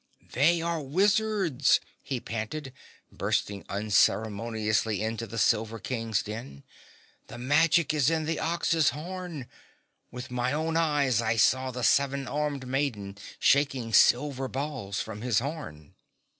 "They are wizards!" he panted, bursting unceremoniously into the Silver King's den. "The magic is in the ox's horn. With my own eyes I saw the seven armed maiden shaking silver balls from his horn."